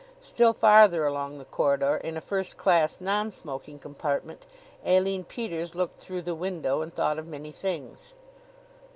Still farther along the corridor, in a first class non smoking compartment, Aline Peters looked through the window and thought of many things.